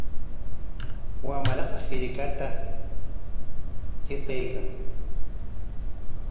Wamraqa hirkata hiqaykan.